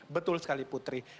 betul sekali putri